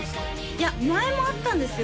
いや前もあったんですよ